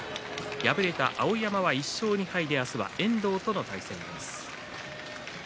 敗れた碧山は１勝２敗で明日、遠藤との対戦です。